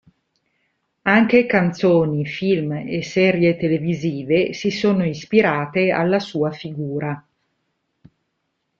Anche canzoni, film e serie televisive si sono ispirate alla sua figura.